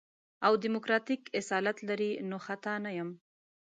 او ديموکراتيک اصالت لري نو خطا نه يم.